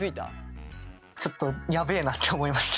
ちょっとやべえなって思いました。